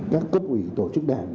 các cấp ủy tổ chức đảng